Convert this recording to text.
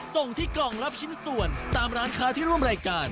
ส่งที่กล่องรับชิ้นส่วนตามร้านค้าที่ร่วมรายการ